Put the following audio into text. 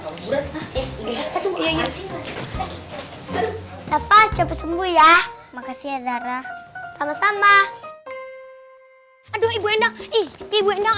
kamu ya ya ya sapa capai sembuh ya makasih ya zara sama sama aduh ibu endang ih ibu endang